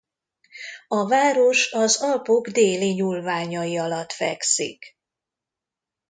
A város az Alpok déli nyúlványai alatt fekszik.